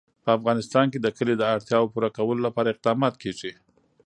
په افغانستان کې د کلي د اړتیاوو پوره کولو لپاره اقدامات کېږي.